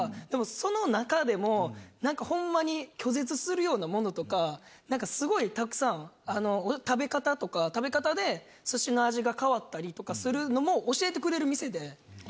でもその中でも、なんかほんまに拒絶するようなものとか、なんかすごいたくさん、食べ方とか、食べ方ですしの味が変わったりとかするのも教えてくれる店で。